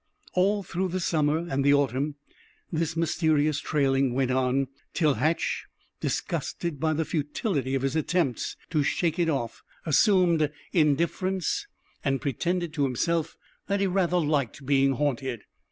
All through the summer and the autumn this mysterious trailing went on, till Hatch, disgusted by the futility of his attempts to shake it off, assumed indifference and pretended to himself that he rather liked being haunted.